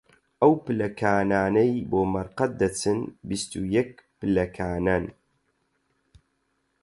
ئەو پلەکانانەی بۆ مەرقەد دەچن، بیست و یەک پلەکانن